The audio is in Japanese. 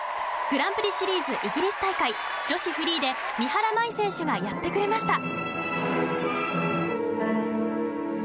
グランプリシリーズイギリス大会女子フリーで、三原舞依選手がやってくれました。